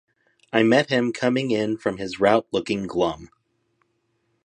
I met him coming in from his route looking glum.